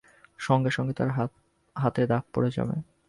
সঙ্গে-সঙ্গে তার হাতে দাগ পড়ে যাবে।